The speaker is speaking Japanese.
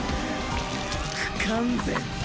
不完全！